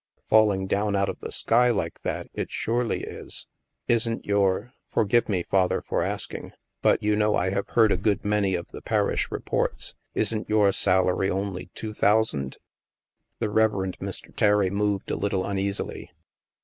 *' Falling down out of the sky, like that, it surely is. Isn't your — forgive me, Father, for asking, but you know I have heard a good many of the parish reports — isn't your salary only two thou sand?" The Reverend Mr. Terry moved a little uneasily.